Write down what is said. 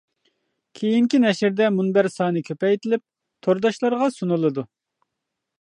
كېيىنكى نەشرىدە مۇنبەر سانى كۆپەيتىلىپ تورداشلارغا سۇنۇلىدۇ.